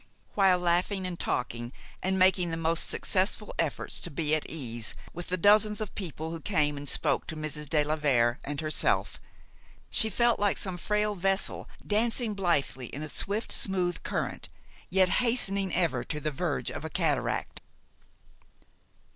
While laughing, and talking, and making the most successful efforts to be at ease with the dozens of people who came and spoke to Mrs. de la Vere and herself, she felt like some frail vessel dancing blithely in a swift, smooth current, yet hastening ever to the verge of a cataract.